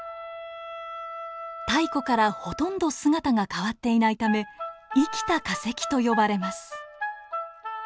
太古からほとんど姿が変わっていないため生きた化石と呼ばれます。